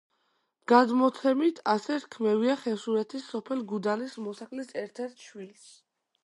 გადმოცემით ასე რქმევია ხევსურეთის სოფელ გუდანის მოსახლის ერთ-ერთ შვილს.